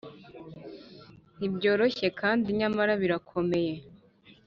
nibyoroshye kandi nyamara birakomeye.